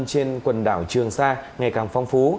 trên quần đảo trường sa ngày càng phong phú